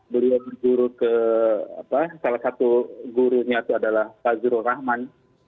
beliau berjuru ke salah satu gurunya itu adalah fajrul rahman